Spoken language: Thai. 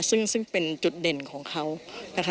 ซึ่งเป็นจุดเด่นของเขานะคะ